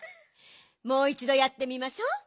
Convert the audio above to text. もういちどやってみましょう。